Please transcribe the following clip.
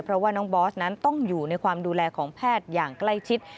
เพราะว่าน้องบอสนั้นต้องอยู่ในความดูแลของแพทย์อย่างใกล้ชิด